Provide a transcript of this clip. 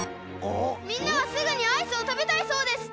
みんなはすぐにアイスをたべたいそうです！